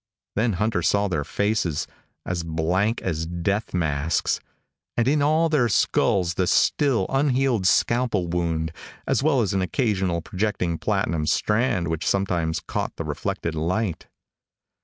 Then Hunter saw their faces, as blank as death masks and in all their skulls the still unhealed scalpel wound, as well as an occasional projecting platinum strand which sometimes caught the reflected light.